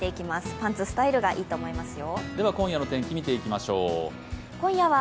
パンツスタイルがいいと思いますよ。